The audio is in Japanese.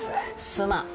すまん。